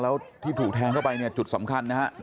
แล้วที่ถูกแทงเข้าไปจุดสำคัญนะครับ